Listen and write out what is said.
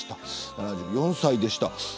７４歳でした。